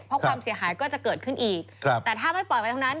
เพราะความเสียหายก็จะเกิดขึ้นอีกแต่ถ้าไม่ปล่อยไปทั้งนั้น